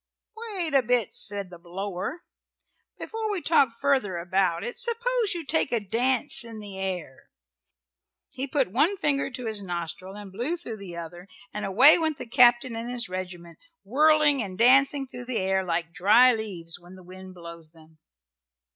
"Wait a bit," said the blower. "Before we talk further about it suppose you take a dance in the air." He put one finger to his nostril and blew through the other and away went the captain and his regiment, whirling and dancing through the air like dry leaves when the wind blows them.